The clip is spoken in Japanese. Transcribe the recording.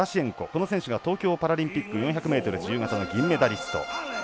この選手が東京パラリンピック４００ｍ自由形の銀メダリスト。